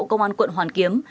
công an quận hoàn kiếm